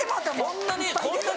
そんなに？